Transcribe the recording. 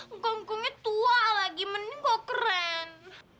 engkong engkongnya tua lagi mending kok keren